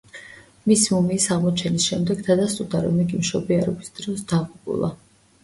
მისი მუმიის აღმოჩენის შემდეგ დადასტურდა, რომ იგი მშობიარობის დროს დაღუპულა.